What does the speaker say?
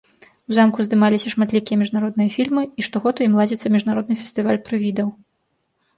У замку здымаліся шматлікія міжнародныя фільмы, і штогод у ім ладзіцца міжнародны фестываль прывідаў.